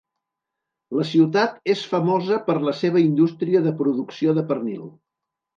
La ciutat és famosa per la seva indústria de producció de pernil.